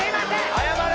謝れ！